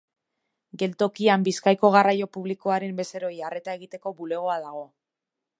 Geltokian Bizkaiko garraio publikoaren bezeroei arreta egiteko bulegoa dago.